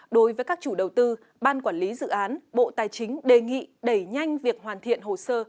đối với các chủ đầu tư ban quản lý dự án bộ tài chính đề nghị đẩy nhanh việc hoàn thiện hồ sơ